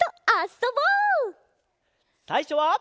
さいしょは。